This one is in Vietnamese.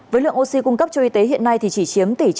với lượng oxy cung cấp cho y tế hiện nay thì chỉ chiếm tỉ trăm triệu tấn